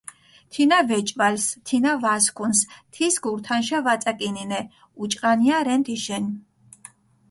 თინა ვეჭვალს, თინა ვასქუნს, თის გურთანშა ვაწაკინინე, უჭყანიე რენ თიშენ.